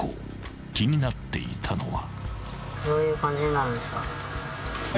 ［気になっていたのは］